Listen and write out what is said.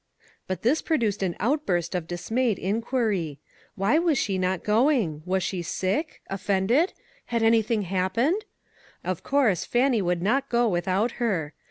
But this produced an outburst of dismayed inquiry. W\\y was she not going? Was she sick? Offended? Had anything happened? Of course, Fannie would not go without her.